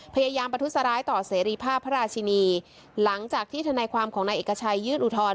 พยายามประทุษร้ายต่อเสรีภาพพระราชินีหลังจากที่ธนายความของนายเอกชัยยื่นอุทธรณ